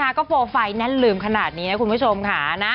ก็โปรไฟล์แน่นลืมขนาดนี้นะคุณผู้ชมค่ะนะ